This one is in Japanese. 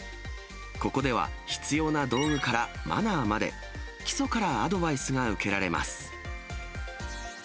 ここでは、必要な道具からマナーまで、基礎からアドバイスが受けられます。